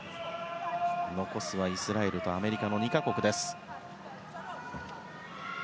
残すはイスラエルとアメリカの２か国です。